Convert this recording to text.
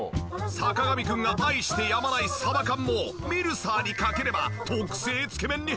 坂上くんが愛してやまないサバ缶もミルサーにかければ特製つけ麺に変身！